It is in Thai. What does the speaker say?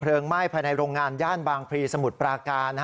ไหม้ภายในโรงงานย่านบางพลีสมุทรปราการ